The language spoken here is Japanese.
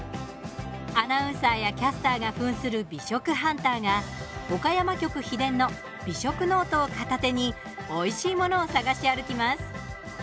アナウンサーやキャスターがふんする美食ハンターが岡山局秘伝の美食ノートを片手においしいものを探し歩きます。